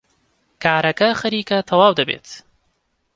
کارەکە خەریکە تەواو دەبێت.